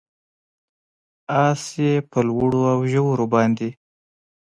اس یې په لوړو اوژورو باندې،